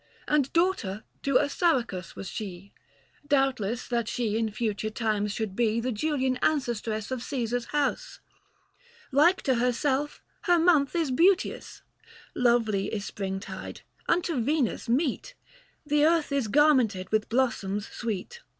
And daughter to Assaracus was she, 135 Doubtless that she in future times should be The Julian ancestress of Caesar's house. Like to herself — her month is beauteous. Lovely is springtide, unto Venus meet — The earth is garmented with blossoms sweet.